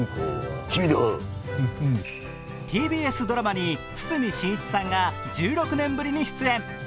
ＴＢＳドラマに堤真一さんが１６年ぶりに出演。